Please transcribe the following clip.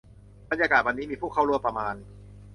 บรรยากาศวันนี้มีผู้เข้าร่วมประมาณ